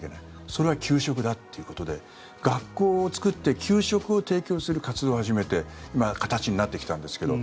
それは給食だということで学校を作って給食を提供する活動を始めて今、形になってきたんですけど